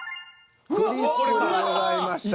クリスプでございました。